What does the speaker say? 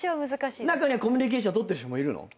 中にはコミュニケーション取ってる人もいるの？